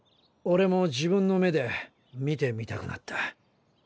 オレも自分の目で見てみたくなった。